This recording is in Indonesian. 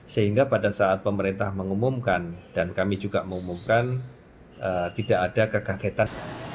sehingga pada saat pemerintah mengumumkan dan kami juga mengumumkan tidak ada kekagetan